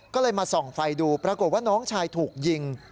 ก็เลยมาส่องไฟดูปรากฏว่าน้องชายถูกยิง